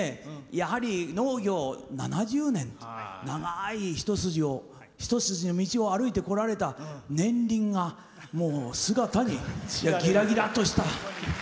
やはり農業を７０年と長い一筋の道を歩いてこられた年輪が姿に、ギラギラとした。